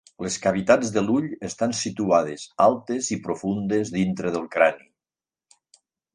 Les cavitats de l'ull estan situades altes i profundes dintre del crani.